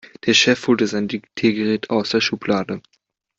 Der Chef holte sein Diktiergerät aus der Schublade.